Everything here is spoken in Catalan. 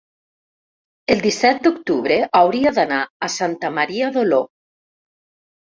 el disset d'octubre hauria d'anar a Santa Maria d'Oló.